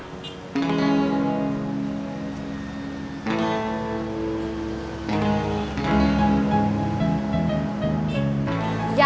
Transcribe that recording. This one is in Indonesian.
aku akan mencari